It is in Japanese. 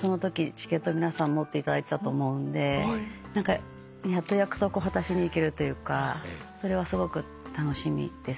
チケット皆さん持っていただいてたと思うんでやっと約束を果たしに行けるというかそれはすごく楽しみです。